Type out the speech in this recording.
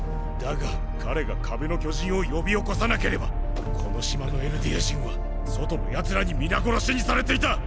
だが彼が壁の巨人を呼び起こさなければこの島のエルディア人は外の奴らに皆殺しにされていた！！